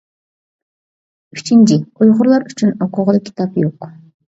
ئۈچىنچى، ئۇيغۇرلار ئۈچۈن ئوقۇغىلى كىتاب يوق.